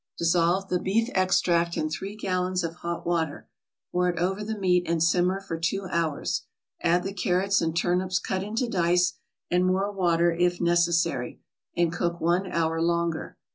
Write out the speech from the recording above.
Dissolve the beef extract in three gallons of hot water, pour it over the meat, and simmer for two hours. Add the carrots and turnips cut into dice, and more water if necessary, and cook one hour longer.